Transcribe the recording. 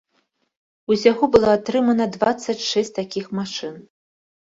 Усяго было атрымана дваццаць шэсць такіх машын.